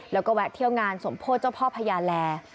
แล้วก็แวะเที่ยวงานสมโพธิเจ้าพ่อพญาแล